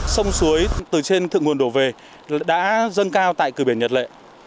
sông suối từ trên thượng nguồn đổ về đã dâng cao tại cửa biển nhật lệ